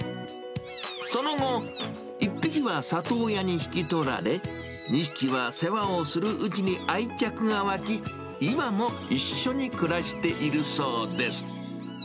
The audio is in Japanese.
その後、１匹は里親に引き取られ、２匹は世話をするうちに愛着が湧き、今も一緒に暮らしているそうです。